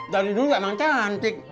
dari dulu emang cantik